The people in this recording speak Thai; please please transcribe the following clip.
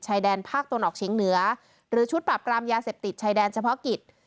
ชายแดนภาคตะวันออกเฉียงเหนือหรือชุดปรับปรามยาเสพติดชายแดนเฉพาะกิจ